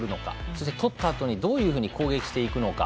そして取ったあとにどういうふうに攻撃していくのか。